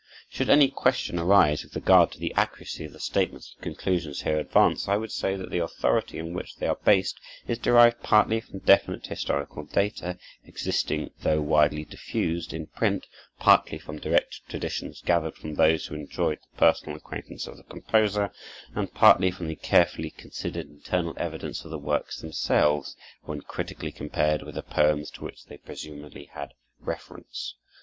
Should any question arise with regard to the accuracy of the statements and conclusions here advanced, I would say that the authority on which they are based is derived partly from definite historical data, existing, though widely diffused, in print; partly from direct traditions gathered from those who enjoyed the personal acquaintance of the composer; and partly from the carefully considered internal evidence of the works themselves, when critically compared with the poems to which they presumably had reference.